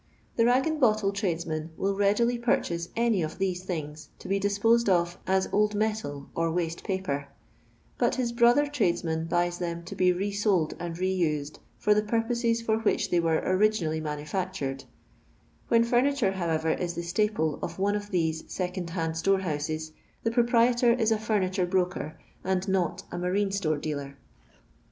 The rag and bottle tradesman will readily pv* chase any of these things to be disposed of SI old metal or waste paper, but his brother trades* man buys them to be re sold and re used for ths purposes for which they were originally mani' facturedt When furniture, however, is the staple of one of these second hand storehouses, tbt proprietor is a furniture broker, and not a msrioS' store dealer.